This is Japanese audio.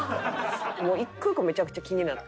もう一個一個めちゃくちゃ気になって。